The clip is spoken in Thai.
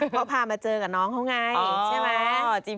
เขาพามาเจอกับน้องเขาไงใช่ไหม